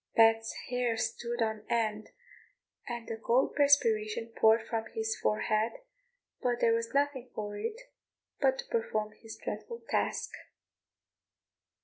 Pat's hair stood on end, and the cold perspiration poured from his forehead, but there was nothing for it but to perform his dreadful task.